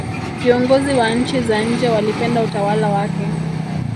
viongozi wa nchi za nje walipenda utawala wake